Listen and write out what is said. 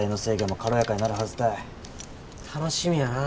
楽しみやな。